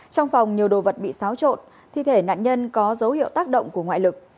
trong phòng nhiều đồ vật bị xáo trộn thi thể nạn nhân có dấu hiệu tác động của ngoại lực